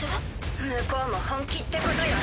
向こうも本気ってことよ。